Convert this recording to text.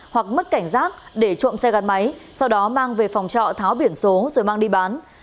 hoặc mất cảnh giác để trộm xe gắn máy sau đó mang về phòng trọ tháo biển số rồi mang đi bán